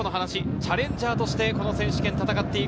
チャレンジャーとしてこの選手権戦っていく。